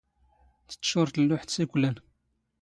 ⵜⴻⵜⵜⵛⵓⵕ ⵜⵍⵍⵓⵃⵜ ⵙ ⵉⴽⵯⵍⴰⵏ.